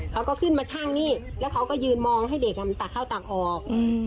เขาก็ขึ้นมาชั่งนี่แล้วเขาก็ยืนมองให้เด็กมันตักเข้าตักออก